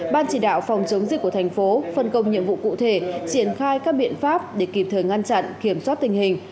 ban chỉ đạo phòng chống dịch của thành phố phân công nhiệm vụ cụ thể triển khai các biện pháp để kịp thời ngăn chặn kiểm soát tình hình